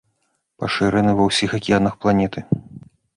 Пашыраны ва ўсіх акіянах планеты.